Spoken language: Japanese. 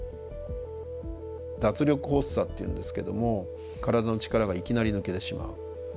脱力発作っていうんですけども体の力がいきなり抜けてしまう。